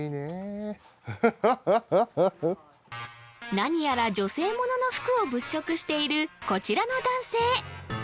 何やら女性ものの服を物色しているこちらの男性